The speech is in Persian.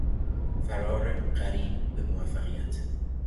فرار قریب به موفقیت